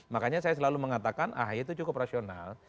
makanya saya selalu mengatakan ahy itu cukup rasional